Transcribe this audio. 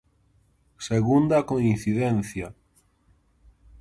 Segunda coincidencia.